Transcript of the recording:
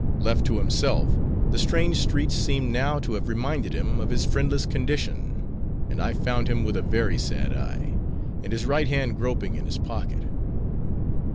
Left to himself, the strange streets seemed now to have reminded him of his friendless condition; and I found him with a very sad eye; and his right hand groping in his pocket.